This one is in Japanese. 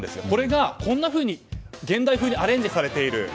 これがこんなふうに現代風にアレンジされている。